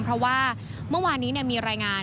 เพราะว่าเมื่อวานนี้มีรายงาน